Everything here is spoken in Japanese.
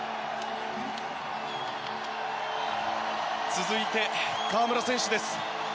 続いて河村選手です。